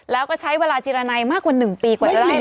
แล้วก็ใช้เวลาจิรนัยมากกว่า๑ปีกว่าจะได้